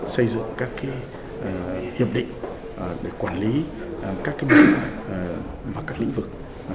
xây dựng các hiệp định để quản lý các bên và các lĩnh vực